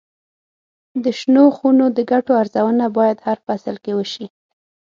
د شنو خونو د ګټو ارزونه باید هر فصل کې وشي.